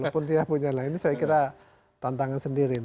walaupun dia punya lainnya saya kira tantangan sendiri